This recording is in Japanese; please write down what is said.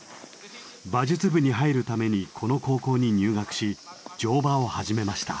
馬術部に入るためにこの高校に入学し乗馬を始めました。